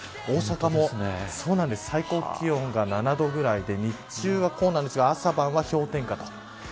大阪も最高気温が７度くらいで日中はこうなんですが朝晩は氷点下。